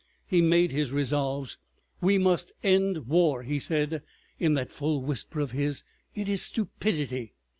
He made his resolves. "We must end war," he said, in that full whisper of his; "it is stupidity.